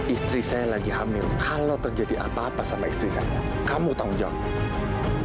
istri saya lagi hamil kalau terjadi apa apa sama istri saya kamu tanggung jawab